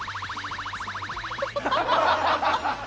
ハハハハ！